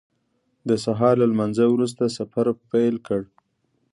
د سهار له لمانځه وروسته سفر پیل کړ.